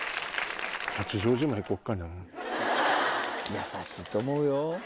優しいと思うよ。